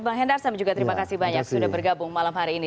bang hendar sama juga terima kasih banyak sudah bergabung malam hari ini